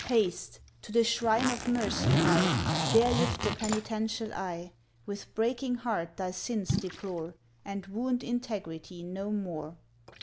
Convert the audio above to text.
Haste! to the shrine of Mercy hie, There lift the penitential eye, With breaking heart thy sins deplore, And wound Integrity no more!